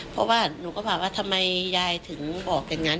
เพราะว่าหนูก็ถามว่าทำไมยายถึงบอกอย่างนั้น